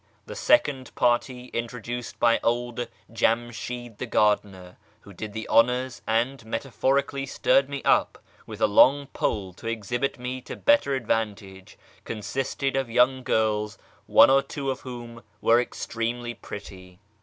The second party (introduced by old Jamshid the gardener, who did the honours, and metaphorically stirred me up with a long pole to exhibit me to better advan tage) consisted of young girls, one or two of whom were extremely pretty.